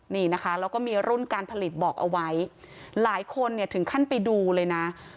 นี่นะคะแล้วก็มีรุ่นการผลิตบอกเอาไว้หลายคนเนี่ยถึงขั้นไปดูเลยนะ